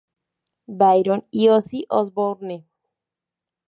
Byron y Ozzy Osbourne.